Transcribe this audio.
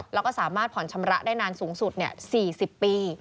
แล้วก็สามารถผ่อนชำระได้นานสูงสุด๔๐ปี